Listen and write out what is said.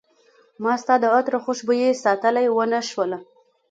ما ستا د عطرو خوشبوي ساتلی ونه شوله